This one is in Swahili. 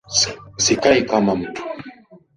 Sikai kama mtu